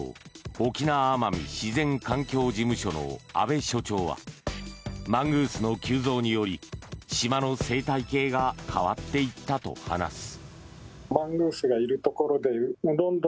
沖縄奄美自然環境事務所の阿部所長はマングースの急増により島の生態系が変わっていったと話す。